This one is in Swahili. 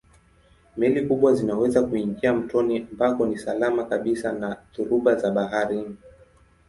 Meli kubwa zinaweza kuingia mtoni ambako ni salama kabisa na dhoruba za baharini.